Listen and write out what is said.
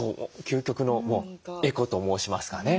究極のもうエコと申しますかね